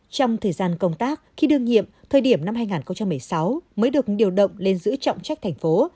trong thời gian công tác khi đương nhiệm thời điểm năm hai nghìn một mươi sáu mới được điều động lên giữ trọng trách thành phố